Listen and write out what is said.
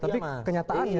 tapi kenyataan ya